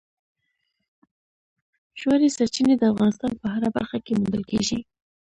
ژورې سرچینې د افغانستان په هره برخه کې موندل کېږي.